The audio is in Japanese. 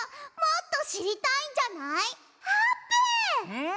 うん。